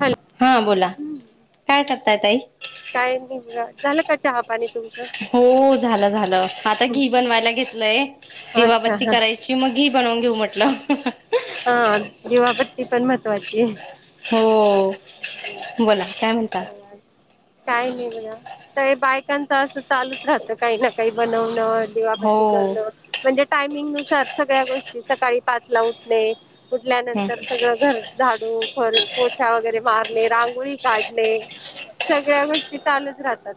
Hello हा बोला काय करताय तई झाल का चहा पाणी तुमचं हो झालं झालं आता घी बनवायला घेतलंय अच्छा दिवाबत्ती हा करायची मगी बनून घेऊ म्हटलं हा दिवाबत्ती पण महत्त्वाची आहे हो बोला काय म्हणता चला काय नाही बघ तर बायकांच असं चालूच राहत काही ना काही बनवण हो वाप्टी करण म्हणजे टायमिंग नुसार सगळ्या गोष्टी सकाळी पाच ला उठले कुठल्यानंतर सगळं घर झाडू पोछा वगैरे मारणे रांगोळी काढ सगळ्या गोष्टी चालूच राहतात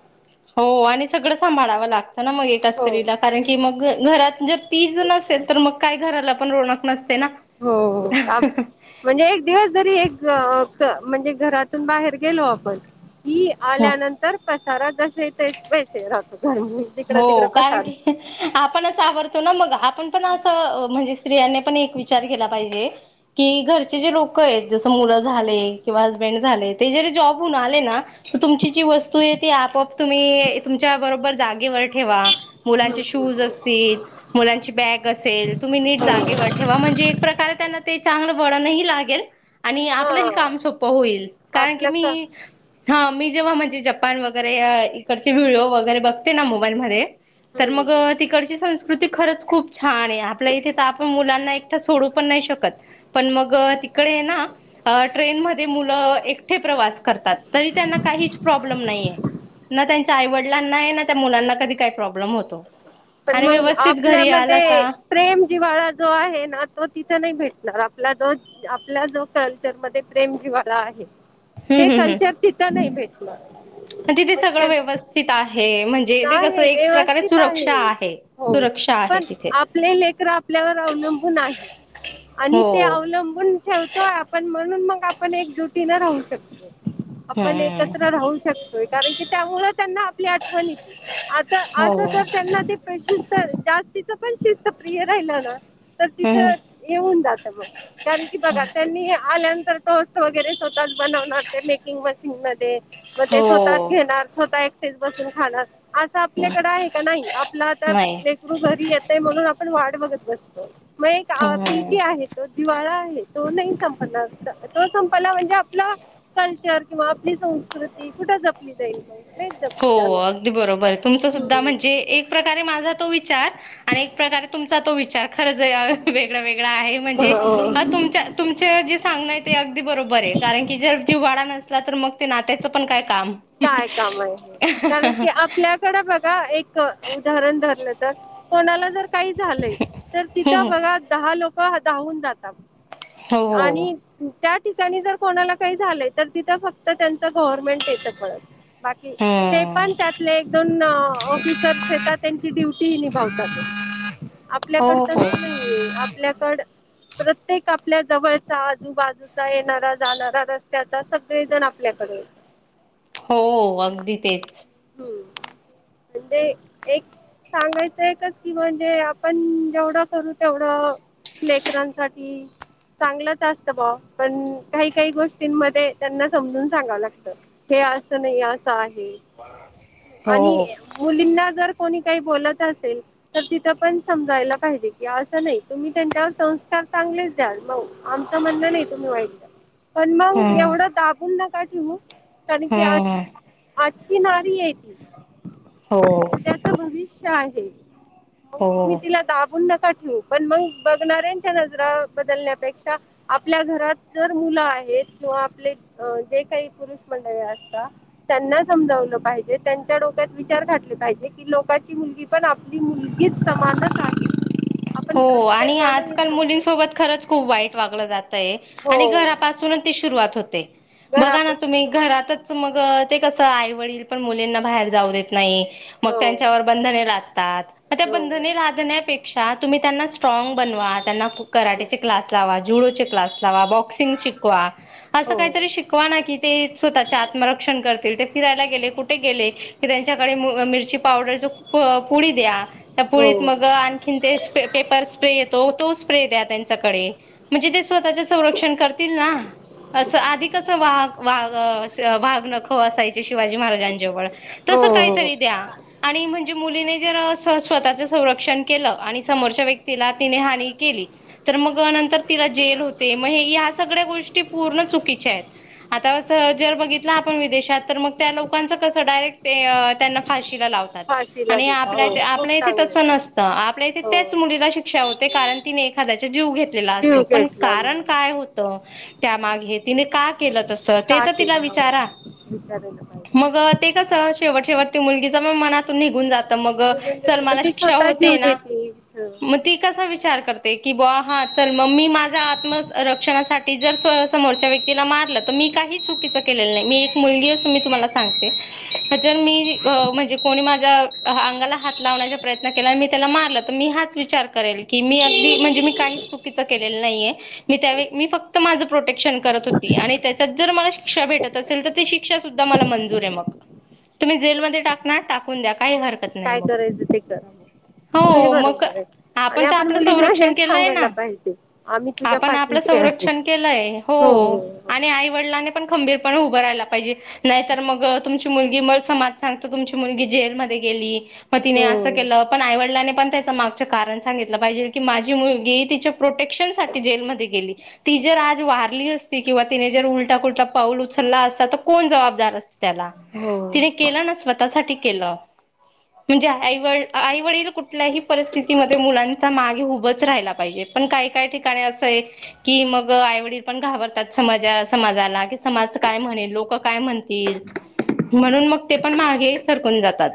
हो आणि सगळं सांभाळावं लागतं ना मग एकेत हो असतरीला कारण की मग घरात जर तीच नसेल तर मग काय घराला पण रोक नसते ना हो म्हणजे एक दिवस जरी म्हणजे घरातून बाहेर गेलो आपण ह आल्यानंतर सार दर्श येत बेश राहात हो कारण की आपणच आवडतो ना मग आपण पण असं म्हणजे त्रिया पण एक विचार केला पाहिजे की घरचे जे लोक आहेत जस मुलं झा कि हबड झाले ते ज जॉबून आले ना तुमची जी वस्तू त आपप तुम तुमच्यारोबर [inaudible] मु हम्म अस ब असे तुम्ही न हम्म ठे म्हणजे प्रकारे त्यांना ते बडण लागेल आणि आपलं ह हा काम सोपं होईल कारण की आपलं मी का हा मी जेव्हा म्हणजे जपान वगैरे इडचे व्हिडिओ वगैरे बघ ते ना मोबाईलमध्येध्ये तर मग हम्म तिकडची संस् खरच खूप छान आहे आपल्या इथे तर आपण मुलांना एकट सोडू पण नाही शकत पण मग तिकडे ना ट्रेन म मु एके त्यांना का प्र् त्यां आवड ल नाही त्या मुलांना कधी काही प्रॉब्लेम होतो पण आणि मग व्यवस्थित घरी आला का आपल्यामध्ये प्रेम जिवाळा जो आहे ना तो तिथ नाही भेटणार... आपला जो आपला जो कल्चरमध्येध्ये प्रेम जिवाळा आहे. ते हम्म कल्चर तिथं नाही भेटणार हम् तिथे मग सगळं ते व्यवस्थित आहे म्हण... नाही व्यवस्थित आहे हो सुरक्षा आहे पण तिथे आपले लेकर आपल्यावर अवलंबून आहेत आणि ते हो अवलंबून ठेवतोय आपण.. म्हणून मग आपण एकजुटीने राहू शकतो. आपण हम्म एकत्र राहू शकतो. कारण की त्यामुळ त्यांना आपली आठवण.. आता हो अस तर त्यांना ते प्रेश.. जास्तीच पण शिस्तप्रिय राहिल ना.. तर हम्म तिथं येऊन जात मग कारण की बघा त्यांनी हे आल्यानर.. टॉस्ट वगैरे.. बनवणारते मेकिंग... तमद मग हो ते स्वतःच घेणार स्वतः... तेच बसून खाणार.. असं आपल्याकडे आहे का नाही आपला आता नाही लेकरू घरी येतय म्हणून... पण वाढ बघत बसतो... मग एक हम्म फुलकी आहे तो जिवाळा... तो नाही संपणार तो संपला म्हणजे आपला कल्चर किंवा आपली संस्कृती कुठ जपली जाईल. नाहीच हो जपली झालं. अगदी बरोबर तुमच सुधा म्हणजे एक प्रकारे माझा तो विचार आणि प्रकारे तुमचा... तो विचार... खरच वेगळा- वेगळा आहे म्हणजे तुमच्या तुमच जे सांगणं आहे ते अगदी बरोबर आहे कारण की जर जीवाळा नसला तर मग. नात्याचं पण काय काम.. काय काम आहे हे कारण की आपल्याकड बघा एक उदाहरण धरलं तर.. कोणाला... काय झालय तिथ हो बघा दहा लोक... हो धावून जातात.. हो आणि त्या... ठिकाणी जर कोणाला काही झालंय तर तिथं फक्त त्यांच गव्हर्नमेंट येतं. पळत. बाकी ते हम्म पण त्यातले एक दोन ऑफिसरस येतात त्यांची ड्युटीही निभावतात आहेत हो आपल्याकड हो तस नाहीये आपल्याकड.... प्रत्येक आपल्या जवळचा आजूबाजूचा येणारा जाणारा रस्त्याचा सगळेजण आपल्याकडे हो अगदी तेच म्हणजे एक सांगायचं एकच कि म्हणजे आपण जेवढं करू तेवढं लेकरांसाठी चांगलंच असतं बा पण काही -काही गोष्टींमध्ये त्यांना समजून सांगाव लागत हे असं नाही असं आहे. हो आणि मुलींना जर- कोणी काही बोलत असेल तर तिथ पण समजायला पाहिजे कि असं नाही तुम्ही त्यांच्यावर संस्कार चांगलेच द्याल म आमचं म्हणण नाही तुम्ही वाईट द्या पण मग हम्म एवढं दाबुन न का ठेवू तण की हम्म आजची नारी आहे हो तिंथ भविष्य आहे मग तुम्ही हो तिला दाबून नका ठेवू पण मग बघणाऱ्यांच्या नजरा बदलण्यापेक्षा आपल्या घरात जर मुलं आहेत किंवा आपले जे काही पुरुष मंडळी असतात त्यांना समजवलं पाहिजे. त्यांच्या डोक्यात विचार घातले पाहिजे की लोकांची मुलगी पण आपली मुलगीच समाजात आहे. आपण हो आणि प्रत्येकानं हे आजकाल समजायला मुलींसोबत पाहिजे खरंच खूप वाईट वागलं जातय आणि हो घरापासूनच ती सुरुवात होते. बघा ना घरापासून तुम्ही सुरुवात होते घरातच मग- ते कसं आई वडील पण मुलींना बाहेर जाऊ देत- मग हो त्यांच्यावर बंधने लादतात म ते हो बंधने लादण्यापेक्षा तुम्ही त्यांना- स्ट्रॉंग बनवा त्यांना हो कराटेचे क्लास लावा जुडोचे- क्लास नावा बॉक्स- [unintelligible] शिकवा अस हो काहीतरी शिकवा ना कि ते स्वतःचे आत्मरक्षण करतील ते फिरायला गेले कुठे गेले- क त्यांच्याकडे मिरची पावडर ळी द्या पुळी म हो हो आणख स्प्रे येतो तो स्प्रे द्या त्यांच्याकडे म्हणजे ते स्वतः संरक्षण करतील ना असं आधी कसं वाह वाग भाग न खो असायचे शिवाजी महाराजां जवळ तस हो काहीतरी द्या आणि म्हण मु स्वतःण के सम ह केली त जेल हो सग्या गोष्टी पूर्ण चुकीच्या आहेत आर बघित आप विदेात त्या लोकां कसडायरे इथत शिक्ा फाशीला देता हो खूप चांगलं ते हो हो कारण तिने एखा्या जीव घेत असत जीव पण घेतला कारण म्हणून काय होत त्यामागे तिने का त का तर तिला केलं हो विचारा विचारायला पाहिजे मग कस शेव तेव्हा ती मुलगीच्या पण मनातून निघून जात तर मग निघून चल जातं मला मग ती शिक्षा स्वतः होते जीव ना देते हं. मग ती कसा विचार करते की बुवा हा चल मग मी माझ्या आत्मरक्षणासाठी जर समोरच्या व्यक्तीला मारलं तर मी काही चुकीच केलेलं नाही मी एक मुलगी असून मी तुम्हाला सांगते जर मी म्हणजे कोणी माझ्या अंगाला हात लावण्याचा प्रयत्न केला आणि मी त्याला मारलं तर मी हा विचार करेल की मी अगदी म्हणजे मी काहीच चुकीच केलेलं नाहीय मी त्यावेळी मी फक्त माझ प्रोटेक्शन करत होती आणि त्याचात जर मला शिक्षा भेटत असेल तर शिक्षा सुद्धा मला मंजूर आहे मग. तुम्ही मग जेलमध्ये टाकणार टाकून द्या. काही हरकत नाही काय मग. करायचं ते करा मग हे हो मग काय बरोबर आहे आणि आपण तर आपलं मुलींना संरक्षण हेच केलंय सांगायला ना पाहिजे आम्ही तुझ्या आपण आपलं पाठीशी आहे संरक्षण केलंय हो आणि आई वडिलांने आपण खंबीरपणे उभं रहायला पाहिजे. नाहीतर मग तुमची मुलगी मग समाज सांगतो तुमची मुलगी जेलमध्ये गेली मग तिने असं हो केलं पण आईवडलाने पण त्या माग त्याचे कारण सांगितले पाहिजे की माझी मुलगी तिच्या प्रोटेक्शन साठी जेलमध्ये गेली ती जर आज वारली असती किंवा तिने जर उलटा पुलटा पाऊल उचलला असता तर कोण जबाबदार असत त्याला. हो तिने केलं ना स्वतः साठी केलं म्हणजे आईव आईवडील कुठल्याही परीस्थिती की म ते मुलांचा मागे उभच राहिला पाहिजे पण काही काही ठिकाणी असं आहे कि मग आईवडील पण घाबरतात समाजा समाजाला कि समाज काय म्हणेल लोक काय म्हणतील म्हणून मग ते पण मागे सरकून जातात.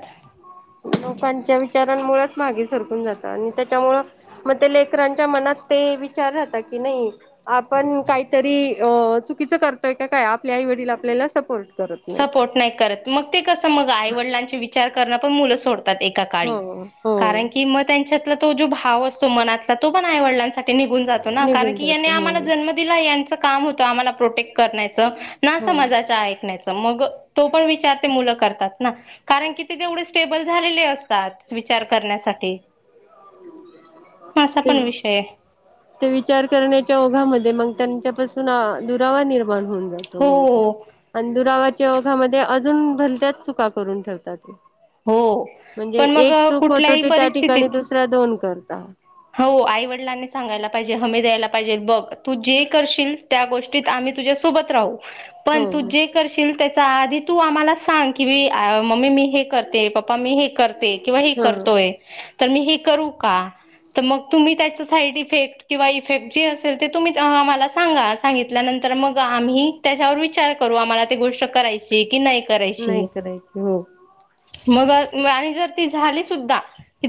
लोकांच्या विचारांमुळेच मागे सरकून जातं आणि त्यामुळं मग ते लेकरांच्या मनात ते विचार राहत की नाही आपण काहीतरी अह चुकीचं करतोय का काय आपल्या आई वडील आपल्याला सपोर्ट करत नाहीत सपोर्ट नाही करत मग ते कस मग आईवडिलांचे वि विचार करं पण मुलं सोड डतात एकाकाळी हो हो कारण की म त्यांच्यातल तो जो भाव असतो मनातला तो पण आईवडलांसाठी ते निघून जातो ना कारण निघून की जात या हो आम्हाला जन्म दिलाय यांचा काम होतं आम्हाला प्रोटेक्ट करण्याच ना हो समाजाच्या ऐकण्याच मग तो पण विचार ते मुल करतात ना कारण की ते तेवढे स्टेबल झालेले अस तात विचार करण्यासाठी असा ते पण विषय आहे. ते विचार करण्याच्या ओघामध्ये मग त्यांच्यापासून [unintelligible] हो [unintelligible] च्या ओघामध्ये अजून भलत्याच चुका करून ठेवतात ते हो म्हणजे पण मग एक चूक होतो कुठल्याही ते त्या ठिकाणी परिस्थितीत दुसरा दोन कर [unintelligible] अशी हमी द्यायला पाहिजे बघ तू जे करशील त्या गोष्टीत आम्ही तुझ्या सोबत राहू पण हो तू जे करशील त्या च्या आधी तू आम्हाला सांग की मी मम्मी मी हे करते, पप्पा मी हे करते किंवा हे हा करतोय तर मी हे करू का? तर मग तुम्ही त्याच साईड इफेक्ट किंवा इफेक्ट जे असेल ते तुम्ही तेव्हा आम्हाला सांगा सांगितल्यानंतर मग आम्ही त्याच्यावर विचार करू आम्हाला ते गोष्ट करायचिय की नाही नाही करायची करायची हो मग आणि जर झाली सुद्धा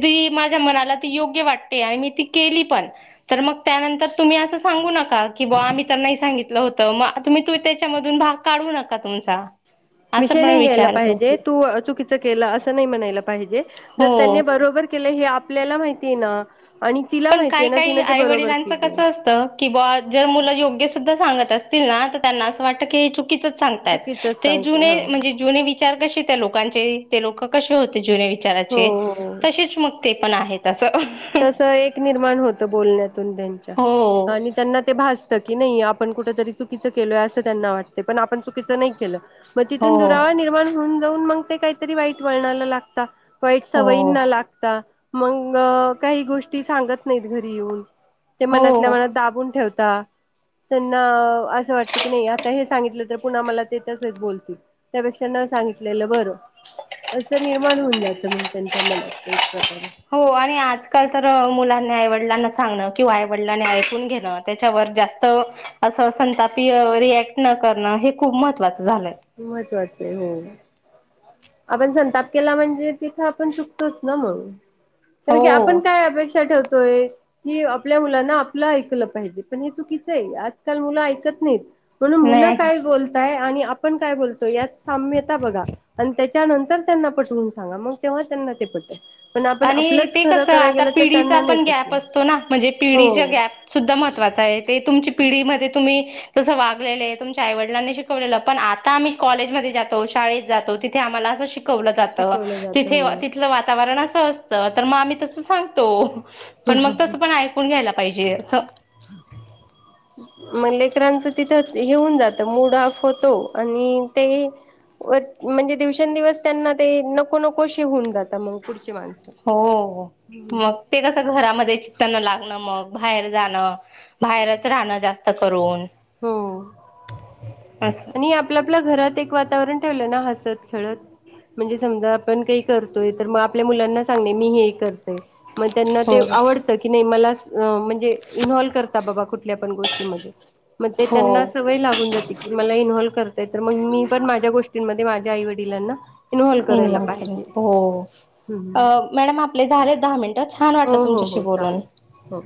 जी माझ्या मनाला त योग्य वाटते मी ती केली पण तर मग त्यानंतर तुम्ही असं सांगू नका का की बा आम्ही त्यांनाही सांगितलं होत मग तुम्ही तू त्याच्यामधून भाग काढू नका तुमचा असं विषय पण नाही घ्यायला विचारतो पाहिजे तू चुकीचं केलं असं नाही म्हणायला पाहिजे हो जर त्यांनी बरोबर केलं हे आपल्याला माहितीय ना आणि तिला पण काय माहितीय ना काय तिने ते आई बरोबर वडिलांचं केले कसं असतं कि बा जर मुलं योग्य सुद्धा सांगत असतील ना तर त्यांना असं वाटतं की चू कीच चुकीचच सांगतात सांगते हा म्हणजे जून विचार कसे त्या लोकांचे ते लोक कसे होते जुने विचारा हो हो तच मग ते पण आहेत मान होतं बोलण्या हो त्यां त्यांना भासत की नाही आपण कुठ तरी चुकीचं केलोय असं त्यांना वाटते पण आपण चुकीचं नाही केलं मग हो तिथून दुरावा निर्माण होऊन जान मग ते काहीतरी वाईट वणाला लागत वाईट स हो वयीन ना लागता मंग काही गोष्टी सांगत नइत घरी येऊन ते हो मनातल्या मनात दाबून ठेवत या त्यांना असं वाटत की नइ आता हे सांगितलं तर पुन्हा मला ते तसच बोलतील त्यापेक्षा न सांगितलेलं बरं असं निर्माण होऊन जात मग त्यांच्या मनात एक प्रकारे हो आणि आज काल तर मुलांनी आईवडलांना सांगणं किंवा आईवडिलांने ऐकून घेणं त्याच्यावर जास्त असं संतापीय रिएक्ट न करणं हे खूप महत्त्वाच महत्वाच हो आपण संताप केला म्हणजे तिथं आपण चुकतोच ना मग हो कारण की आपण काय अपेक्षा ठेवतो होय की आपल्या मुलांना आपलं ऐकलं पाहिजे पण हे चुकीचंय आजकाल मुलं ऐकत नाहीयेत म्हणून मुलं नाही काय बोलताय आणि आप आपण काय बोलतो यात साम्यता बघा आणि त्याच्यानंतर त्यांना पटवून सांगा मग तेव्हा त्यांना ते पटेल पण आपण आणि आपलंच ते खरं कसं कराय आता गेलं तर पिढीचा त्यांना नाही पण गॅप पटणार असतो ना म्हणजे पिढीच्या हो गॅप सुद्धा महत्वाचा आहे ते तुमची पिढी मध्ये तुम्ही तस वागलेलेय तुमच्या आईवडलांनी शिकवलेलं पण आता आम्ही कॉलेजमध्ये जातो शाळेत जातो तिथे आम्हाला असं शिक शिकवलं जातं शिकवलं जातं तिथे हो तिथलं वातावरण असं ते असत तर मग आम्ही तसं सांगतो पण मग तस पण ऐकून घ्यायला पाहिजे असं म लेकरांचं तिथं हेऊन जात मूड हाफ होतो आणि ते म्हणजे दिवसंदिवस त्यांना ते नको नको श होऊन जात मग पुढची माणसं हो मग ते कस घरामध्ये चित्त न लागणं मग बाहेर जाणं बाहेरच राहणं जास्त करून हो असं आणि आपला आपल्या घरात एक वातावरण ठेवलं ना हसत खेळत म्हणजे समजा आपण काही करतोय तर मग आपल्या मुलांना सांगणे मी हे करतेय मग त्यांना हो ते आवडत की नाही मला म्हणजे इनव्हाल करता बाबा कुठल्या पण गोष्टीमध्ये मग ते हो त्यांना अस सवय लागून जाते की मला इनव्हल्व कर तर मग मी पण माझ्या गोष्टींमध्ये माझ्या आई वडिलांना इन्व्हॉल्व करायला इनव्हॉल् पाहिजे. हो अ हम्म. मॅडम आप आपले झाले दहा मिनट छान हो वाटलं हो तुमच्याशी हो बोलून चालेल हो